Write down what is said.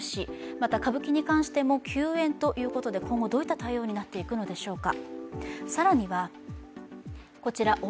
また歌舞伎に関しても休演ということで今後、どういった対応になっていくんでしょうか。